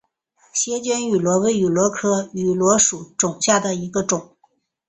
斜肩芋螺为芋螺科芋螺属下的一个种。